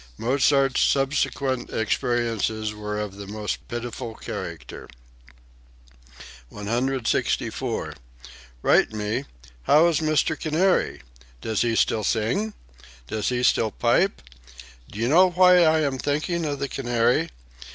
Mozart's subsequent experiences were of the most pitiable character.) 164. "Write me, how is Mr. Canary? Does he still sing? Does he still pipe? Do you know why I am thinking of the canary?